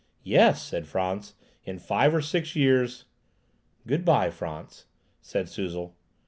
"Yes," said Frantz, "in five or six years—" "Good bye, Frantz," said Suzel.